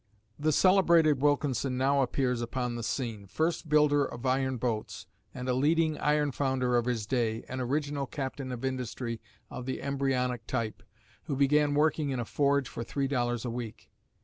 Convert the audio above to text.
The celebrated Wilkinson now appears upon the scene, first builder of iron boats, and a leading iron founder of his day, an original Captain of Industry of the embryonic type, who began working in a forge for three dollars a week.